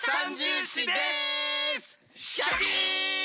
シャキーン！